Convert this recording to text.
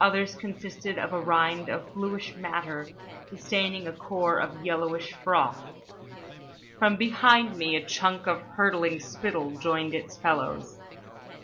Others consisted of a rind of blueish matter sustaining a core of yellowish froth. From behind me a chunk of hurtling spittle joined its fellows.